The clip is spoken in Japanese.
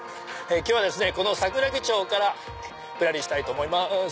今日はこの桜木町からぶらりしたいと思います。